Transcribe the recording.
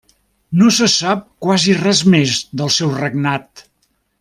No se sap quasi res més del seu regnat.